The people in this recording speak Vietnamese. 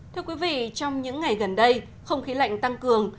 thưa quý vị trong những ngày gần đây không khí lạnh tăng cường